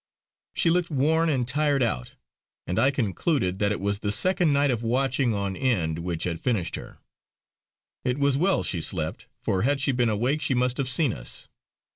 She looked worn and tired out, and I concluded that it was the second night of watching on end which had finished her. It was well she slept, for had she been awake she must have seen us.